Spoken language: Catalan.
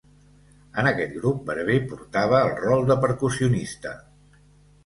En aquest grup Barber portava el rol de percussionista.